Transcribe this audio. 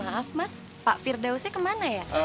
maaf mas pak firdausnya kemana ya